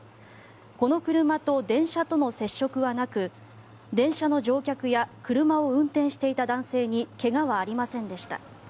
この車と電車との接触はなく電車の乗客や車を運転していた男性に怪我はありませんでした。